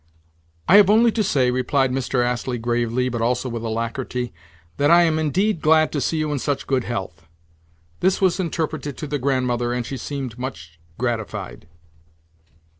"I have only to say," replied Mr. Astley gravely, but also with alacrity, "that I am indeed glad to see you in such good health." This was interpreted to the Grandmother, and she seemed much gratified.